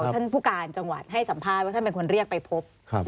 ท่านผู้การจังหวัดให้สัมภาษณ์ว่าท่านเป็นคนเรียกไปพบ